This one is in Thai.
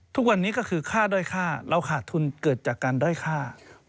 ทุกวันนี้ก็คือค่าด้อยค่าเราขาดทุนเกิดจากการด้อยค่า